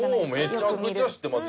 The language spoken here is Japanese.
めちゃくちゃ知ってます。